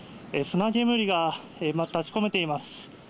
砂煙が立ち込めています。